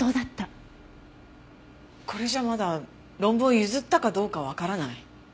これじゃまだ論文を譲ったかどうかわからない。